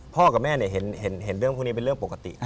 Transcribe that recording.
กับแม่เห็นเรื่องพวกนี้เป็นเรื่องปกติ